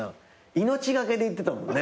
命懸けで行ってたもんね。